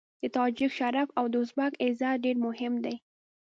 د تاجک شرف او د ازبک عزت ډېر مهم دی.